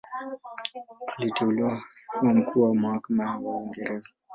Aliteuliwa kuwa Mkuu wa Mahakama wa Uingereza.